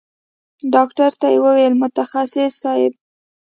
ډاکتر ته يې وويل متخصص صايب.